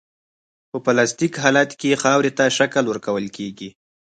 په پلاستیک حالت کې خاورې ته شکل ورکول کیږي